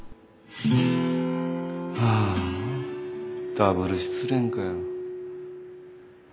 ダブル失恋かよ。